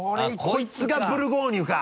こいつがブルゴーニュか。